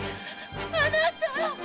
あなたっ！